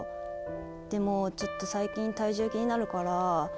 でもちょっと最近体重気になるから。